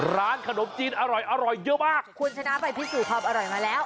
ร้านขนมจีนอร่อยอร่อยเยอะมากคุณชนะไปพิสูจน์ความอร่อยมาแล้ว